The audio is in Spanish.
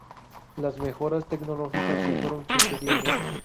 Las mejoras tecnológicas se fueron sucediendo.